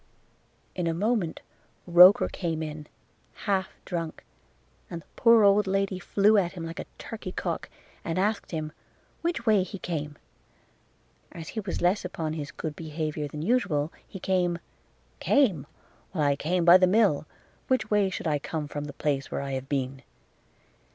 – In a moment Roker came in, half drunk, and the poor old lady flew at him like a turkey cock, and asked him, which way he came? As he was less upon his good behaviour than usual, he came, 'Came! Why I came by the mill; which way should I come from the place where I have been?'